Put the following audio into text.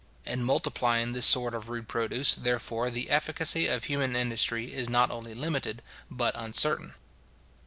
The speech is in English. In multiplying this sort of rude produce, therefore, the efficacy of human industry is not only limited, but uncertain.